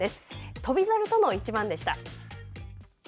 翔猿との一番でした。